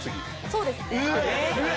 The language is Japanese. そうですね。